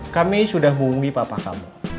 kami sudah menghubungi papa kamu